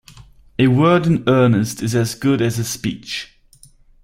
A word in earnest is as good as a speech.